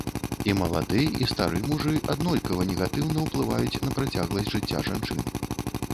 І малады, і стары мужы аднолькава негатыўна ўплываюць на працягласць жыцця жанчын.